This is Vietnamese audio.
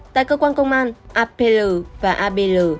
tại cơ quan công an apl và apl